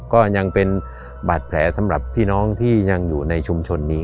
ก็ยังเป็นบาดแผลสำหรับพี่น้องที่ยังอยู่ในชุมชนนี้